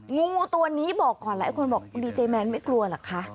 งูตัวนี้บอกก่อนหลายคนบอกดีเจแมนไม่กลัวเหรอคะ